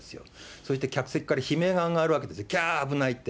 そうやって客席から悲鳴が上がるわけですよ、きゃー、危ないって。